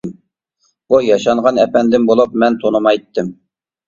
بۇ ياشانغان ئەپەندىم بولۇپ، مەن تونۇمايتتىم.